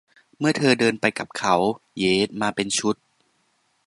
เมื่อเธอเดินไปกับเขา เหยด มาเป็นชุด